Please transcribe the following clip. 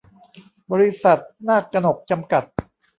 บริษัท นากกนก จำกัด